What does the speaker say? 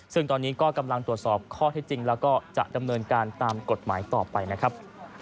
ซึ่งตอนนี้ก็กำลังตรวจสอบข้อเท็จจริงแล้วก็จะดำเนินการตามกฎหมายต่อไปนะครับ